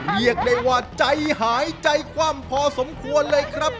เรียกได้ว่าใจหายใจคว่ำพอสมควรเลยครับ